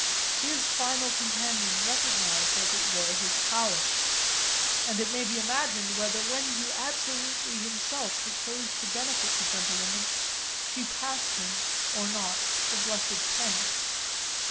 His final companion recognised, as it were, his powers; and it may be imagined whether when he absolutely himself proposed to benefit the gentlewomen she passed him, or not, the blessed pen.